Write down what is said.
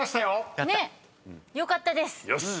よかったです。